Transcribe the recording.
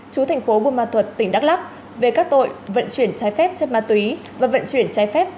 chú thành phố bùa ma thuật tỉnh đắk lắk về các tội vận chuyển trái phép